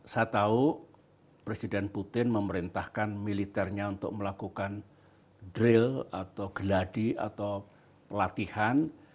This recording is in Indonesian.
saya tahu presiden putin memerintahkan militernya untuk melakukan drill atau geladi atau pelatihan